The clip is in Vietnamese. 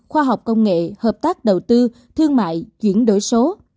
khoa học công nghệ hợp tác đầu tư thương mại chuyển đổi số